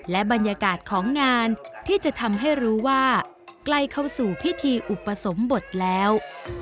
และบรรยากาศของงานที่จะทำให้รู้ว่าใกล้เข้าสู่พิธีอุปสมบทแล้ว